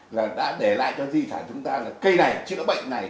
là đã để lại cho di sản chúng ta là cây này chữa bệnh này